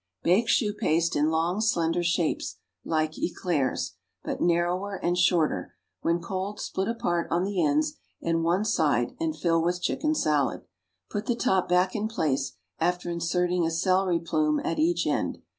Bake chou paste in long, slender shapes, like éclairs, but narrower and shorter; when cold split apart on the ends and one side and fill with chicken salad. Put the top back in place, after inserting a celery plume at each end.